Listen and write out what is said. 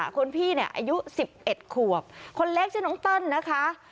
คนพี่เนี่ยอายุสิบเอ็ดขวบคนเล็กชื่อน้องต้นนะคะ